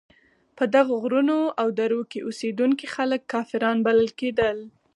په دغو غرونو او درو کې اوسېدونکي خلک کافران بلل کېدل.